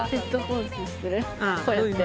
こうやって。